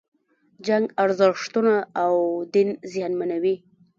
جنگ ارزښتونه او دین زیانمنوي.